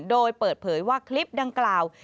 โดยเปิดเผยว่าคลิปดังกล่าว